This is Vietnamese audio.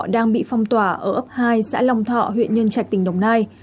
đang bị phong tỏa ở ấp hai xã long thọ huyện nhân trạch tỉnh đồng nai